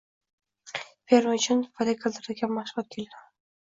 fermer uchun foyda keltiradigan mashg‘ulotga aylanadi.